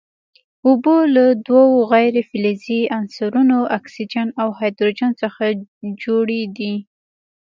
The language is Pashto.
اوبه له دوو غیر فلزي عنصرونو اکسیجن او هایدروجن څخه جوړې دي.